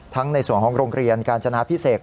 ทั้งในส่วนห้องโรงเรียนการจนาพิเศษ